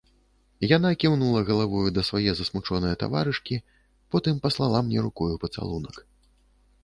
Яна кіўнула галавою да свае засмучонае таварышкі, потым паслала мне рукою пацалунак.